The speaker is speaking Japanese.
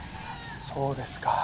そうですか。